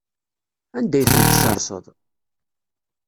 Anda ay tent-tesserseḍ?